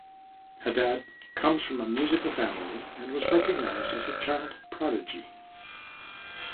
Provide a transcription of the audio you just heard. Hadad comes from a musical family and was recognized as a child prodigy.